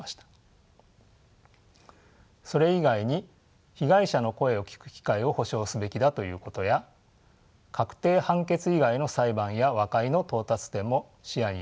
それ以外に被害者の声を聞く機会を保障すべきだということや確定判決以外の裁判や和解の到達点も視野に入れることを掲げました。